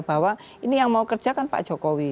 bahwa ini yang mau kerjakan pak jokowi